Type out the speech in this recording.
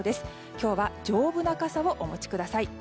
今日は丈夫な傘をお持ちください。